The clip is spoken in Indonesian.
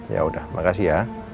ya udah makasih ya